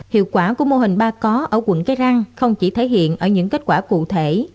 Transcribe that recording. hiệu quả của mô hình ba có ở quận cái răng không chỉ thể hiện ở những kết quả cụ thể